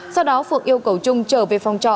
sau đó phượng yêu cầu trung trở về phòng trọ